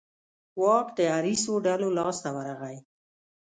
واک د حریصو ډلو لاس ته ورغی.